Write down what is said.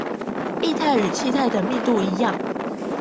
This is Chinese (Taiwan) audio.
液態與氣態的密度一樣